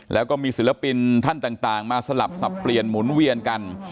แล้วก็มีศิลปินท่านต่างมาสลับสับเปลี่ยนหมุนเวียนกัน